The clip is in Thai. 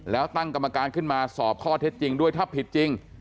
แล้วตั้งกรรมการขึ้นมาสอบข้อเท็จจริงด้วยถ้าผิดจริง